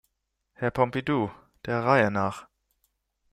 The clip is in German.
Herr Pompidou, der Reihe nach.